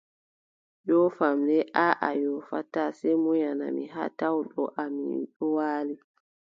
Yoofam le, aaʼa mi yoofataa, sey munyana mi haa tawɗa mi ɗon waali,